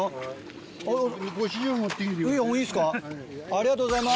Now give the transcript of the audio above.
ありがとうございます。